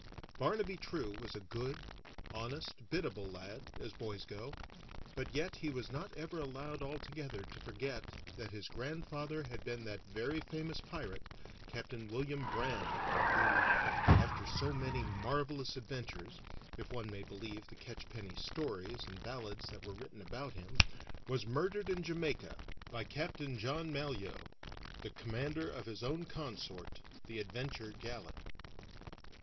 Barnaby True was a good, honest, biddable lad, as boys go, but yet he was not ever allowed altogether to forget that his grandfather had been that very famous pirate, Capt. William Brand, who, after so many marvelous adventures (if one may believe the catchpenny stories and ballads that were written about him), was murdered in Jamaica by Capt. John Malyoe, the commander of his own consort, the Adventure galley.